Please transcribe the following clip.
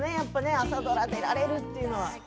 朝ドラに出られるというのは。